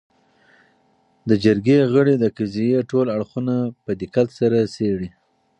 . د جرګې غړي د قضیې ټول اړخونه په دقت سره څېړي